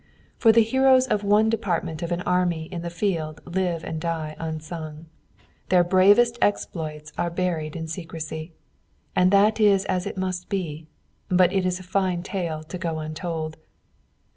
For the heroes of one department of an army in the field live and die unsung. Their bravest exploits are buried in secrecy. And that is as it must be. But it is a fine tale to go untold.